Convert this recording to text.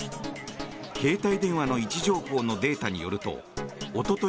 携帯電話の位置情報のデータによるとおととい